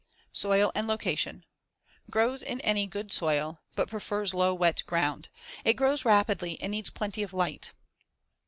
Soil and location: Grows in any good soil but prefers low wet ground. It grows rapidly and needs plenty of light.